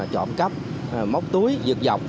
trộm cắp móc túi dược dọc